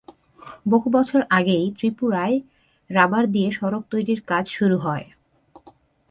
বহু বছর আগেই ত্রিপুরায় রাবার দিয়ে সড়ক তৈরির কাজ শুরু হয়।